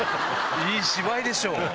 いい芝居でしょ。